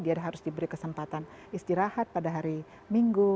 dia harus diberi kesempatan istirahat pada hari minggu